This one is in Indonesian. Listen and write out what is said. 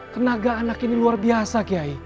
tenaga anak ini luar biasa kiai